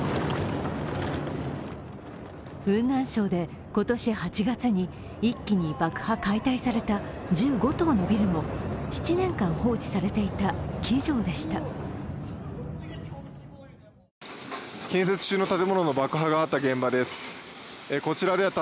雲南省で今年８月に、一気に爆破解体された１５棟のビルも７年間放置されていた鬼城でした。